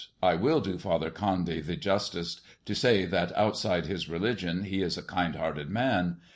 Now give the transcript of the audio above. I will do Father Condy the justice to say that outside his religion he is a kind hearted man.